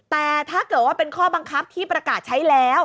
แต่ถ้าเกิดว่าเป็นข้อบังคับที่ประกาศใช้แล้ว